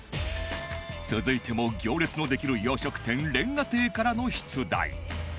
続いても行列のできる洋食店瓦亭からの出題